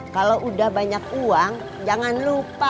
kalau udah banyak uang jangan lupa